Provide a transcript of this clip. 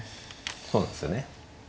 そうなんですよね。